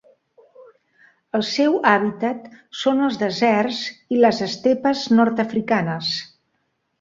El seu hàbitat són els deserts i les estepes nord-africanes.